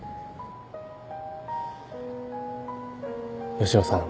吉野さん。